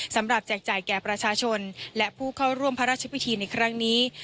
แจกจ่ายแก่ประชาชนและผู้เข้าร่วมพระราชพิธีในครั้งนี้